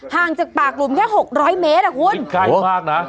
ห่างจากปากหลุมแค่๖๐๐เมตรอ่ะคุณโอ้โหยิ่งกล้ายมากนะ